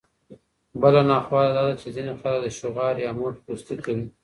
بله ناخواله داده، چي ځيني خلک د شغار يا موخۍ دوستۍ کوي